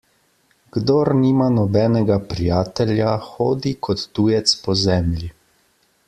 Kdor nima nobenega prijatelja, hodi kot tujec po zemlji.